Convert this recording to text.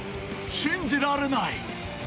信じられない！